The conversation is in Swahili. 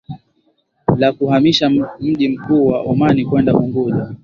la kuhamisha mji mkuu wa Omani kwenda Unguja